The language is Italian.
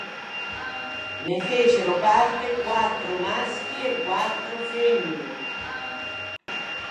Ne fecero parte quattro maschi e quattro femmine.